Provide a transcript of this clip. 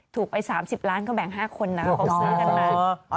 ถูกไป๓๐ล้านก็แบ่ง๕คนนะเขาซื้อกันมา